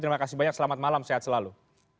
terima kasih banyak selamat malam sehat selalu